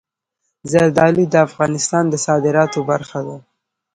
زردالو د افغانستان د صادراتو برخه ده.